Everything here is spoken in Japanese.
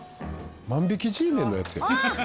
万引きＧメンのやつやん。